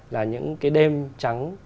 là những cái đêm trắng